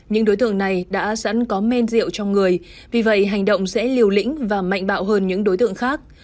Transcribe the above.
những đối tượng này đã sẵn có men rượu trong người vì vậy hành động sẽ liều lĩnh và mạnh bạo hơn những đối tượng khác